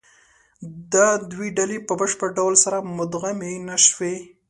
دا دوې ډلې په بشپړ ډول سره مدغمې نهشوې.